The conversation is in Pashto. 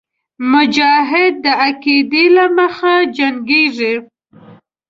مجاهد د عقیدې له مخې جنګېږي.